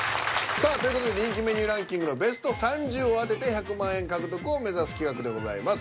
さあという事で人気メニューランキングのベスト３０を当てて１００万円獲得を目指す企画でございます。